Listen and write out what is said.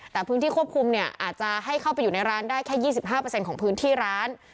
แต่พื้นที่ควบคุมเนี่ยอาจจะให้เข้าไปอยู่ในร้านได้แค่๒๕ของพื้นที่ร้าน